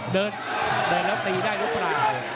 เดินเดินแล้วตีได้หรือเปล่า